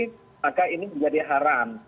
maka ini menjadi haram